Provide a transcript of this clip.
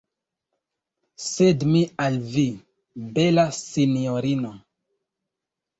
Sed mi al vi, bela sinjorino.